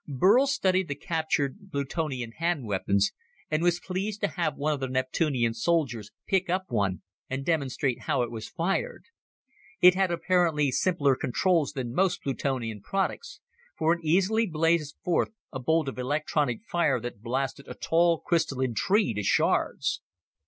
Burl studied the captured Plutonian hand weapons, and was pleased to have one of the Neptunian soldiers pick up one and demonstrate how it was fired. It had apparently simpler controls than most Plutonian products, for it easily blazed forth a bolt of electronic fire that blasted a tall, crystalline tree to shards.